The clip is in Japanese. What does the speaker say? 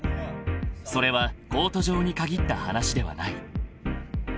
［それはコート上に限った話ではない］